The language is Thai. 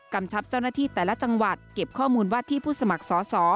ชับเจ้าหน้าที่แต่ละจังหวัดเก็บข้อมูลว่าที่ผู้สมัครสอสอ